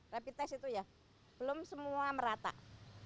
rapid test itu ya belum semua merata